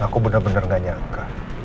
aku benar benar gak nyangka